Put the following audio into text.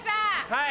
はい。